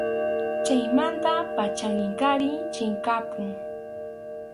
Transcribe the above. Chaymanta pacham Inkariy chinkapun.